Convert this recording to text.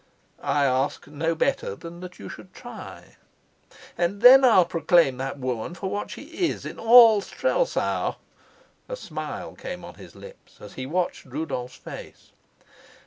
"I ask no better than that you should try." "And then I'll proclaim that woman for what she is in all Strelsau." A smile came on his lips as he watched Rudolf's face.